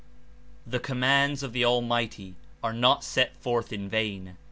The commands of the Almighty are not sent forth in vain.